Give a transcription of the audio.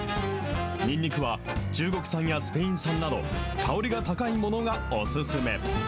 にんにくは中国産やスペイン産など、香りが高いものがお薦め。